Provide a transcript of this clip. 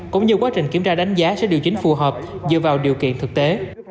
cũng như quá trình kiểm tra đánh giá sẽ điều chỉnh phù hợp dựa vào điều kiện thực tế